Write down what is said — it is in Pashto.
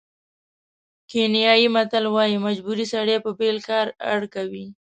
کینیايي متل وایي مجبوري سړی په بېل کار اړ کوي.